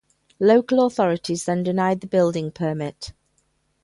Local authorities then denied the building permit.